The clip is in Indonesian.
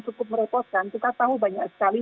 cukup merepotkan kita tahu banyak sekali